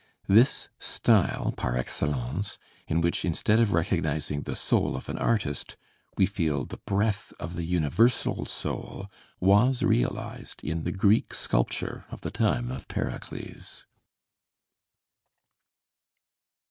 This "style" par excellence, in which instead of recognizing the soul of an artist we feel the breath of the universal soul, was realized in the Greek sculpture of the time of Pericles.